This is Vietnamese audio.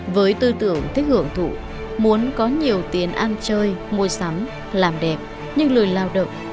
với tư tưởng thích hưởng thụ muốn có nhiều tiền ăn chơi mua sắm làm đẹp nhưng lười lao động